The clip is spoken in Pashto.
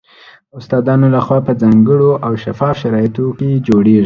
استادانو له خوا په ځانګړو او شفاف شرایطو کې جوړیږي